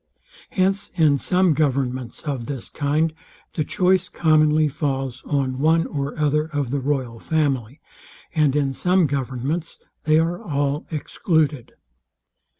Hence in some governments of this kind, the choice commonly falls on one or other of the royal family; and in some governments they are all excluded.